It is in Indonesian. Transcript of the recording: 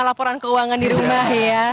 laporan keuangan di rumah ya